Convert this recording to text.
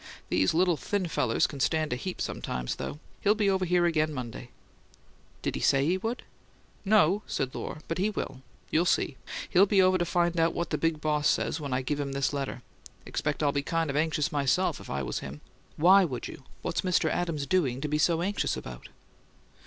"These little thin fellers can stand a heap sometimes, though. He'll be over here again Monday." "Did he say he would?" "No," said Lohr. "But he will. You'll see. He'll be over to find out what the big boss says when I give him this letter. Expect I'd be kind of anxious, myself, if I was him." "Why would you? What's Mr. Adams doing to be so anxious about?"